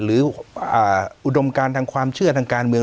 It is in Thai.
อุดมการทางความเชื่อทางการเมือง